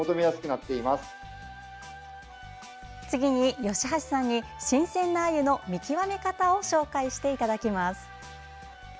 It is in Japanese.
次に吉橋さんに新鮮なアユの見極め方を紹介していただきます。